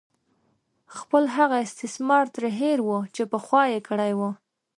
خپل هغه استثمار ترې هېر وو چې پخوا یې کړې وه.